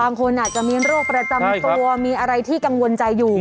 บางคนอาจจะมีโรคประจำตัวมีอะไรที่กังวลใจอยู่